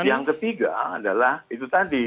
yang ketiga adalah itu tadi